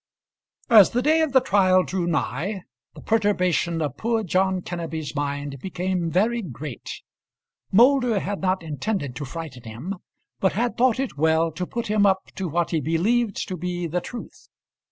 As the day of the trial drew nigh, the perturbation of poor John Kenneby's mind became very great. Moulder had not intended to frighten him, but had thought it well to put him up to what he believed to be the truth.